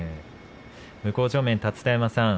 向正面、立田山さん。